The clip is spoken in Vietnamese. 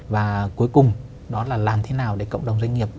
và cuối cùng đó là làm thế nào để cộng đồng doanh nghiệp